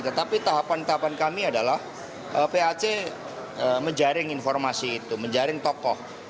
tetapi tahapan tahapan kami adalah pac menjaring informasi itu menjaring tokoh